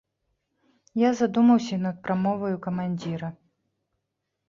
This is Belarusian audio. Я задумаўся і над прамоваю камандзіра.